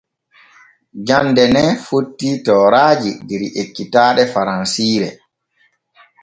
Jande ne fotti tooraaji der ekkitaaɗe faransiire.